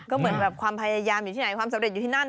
ก็เหมือนแบบความพยายามอยู่ที่ไหนความสำเร็จอยู่ที่นั่น